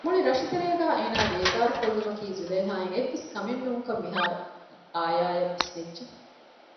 މުޅި ރަށުތެރޭގައި އޭނާ ބޭޒާރުކޮށްލުމަކީ ޒުލޭހާއަށް އެއްވެސް ކަމެއް ނޫންކަން މިހާރު އާޔާއަށް ވިސްނިއްޖެ